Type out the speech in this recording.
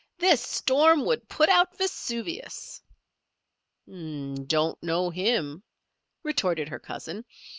"This storm would put out Vesuvius." "Don't know him," retorted her cousin.